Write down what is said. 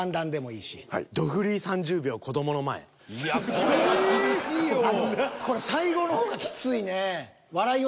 いやこれは厳しいよ。